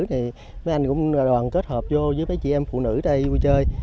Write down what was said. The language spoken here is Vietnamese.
thì mấy anh cũng đoàn kết hợp vô với mấy chị em phụ nữ đây vui chơi